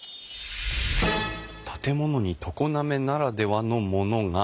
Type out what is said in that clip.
「建物に常滑ならではのものが！